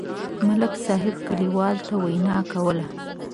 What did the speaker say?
ملک صاحب کلیوالو ته وینا کوله.